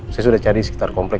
saya sudah cari sekitar kompleks